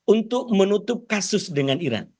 untuk menutup kasus dengan iran